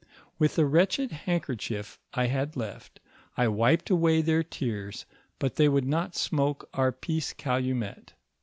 With a wretched handkerchief I had left, I wiped away their tears, but they would not smoke our pence cal timet.